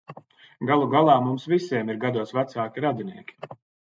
Galu galā mums visiem ir gados vecāki radinieki.